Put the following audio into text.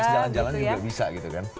simple as jalan jalan juga bisa gitu kan